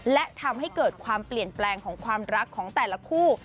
และทำให้เกิดความเปลี่ยนแปลงของความรักของแต่ละคู่